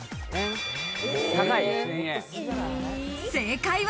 正解は？